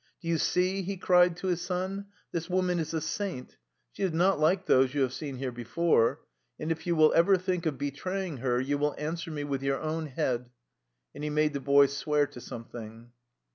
" Do you see,'' he cried to his son, " this woman is a saint; she is not like those you have seen here before. And if you will ever think of be traying her, you will answer me with your own head.'' And he made the boy swear to some thing.